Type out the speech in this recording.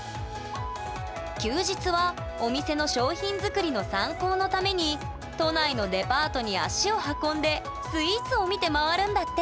休日はお店の商品作りの参考のために都内のデパートに足を運んでスイーツを見て回るんだって！